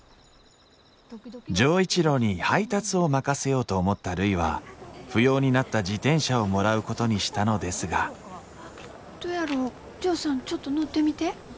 錠一郎に配達を任せようと思ったるいは不要になった自転車をもらうことにしたのですがどやろうジョーさんちょっと乗ってみて。